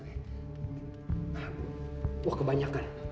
nah gue kebanyakan